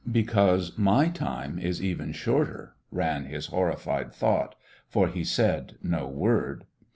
"Because my time is even shorter," ran his horrified thought for he said no word.